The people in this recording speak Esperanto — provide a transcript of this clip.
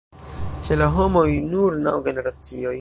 Ĉe la homoj nur naŭ generacioj.